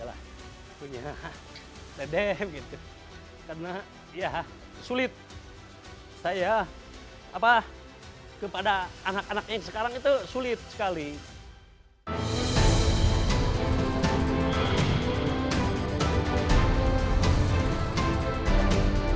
lah punya sedih karena ya sulit saya apa kepada anak anak yang sekarang itu sulit sekali hai hai